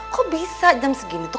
kok bisa jam segini tuh